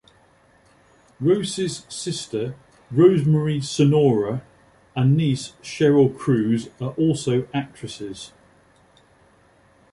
Roces' sister, Rosemarie Sonora, and niece Sheryl Cruz are also actresses.